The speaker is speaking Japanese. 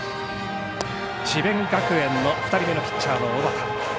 智弁学園の２人目のピッチャーの小畠。